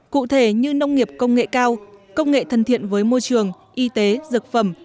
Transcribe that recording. cụ thể như nông nghiệp công nghệ cao công nghệ thân thiện với môi trường y tế dược phẩm